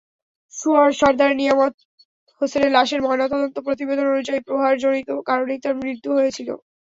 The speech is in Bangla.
সরদার নিয়ামত হোসেনের লাশের ময়নাতদন্ত প্রতিবেদন অনুযায়ী প্রহারজনিত কারণেই তাঁর মৃত্যু হয়েছিল।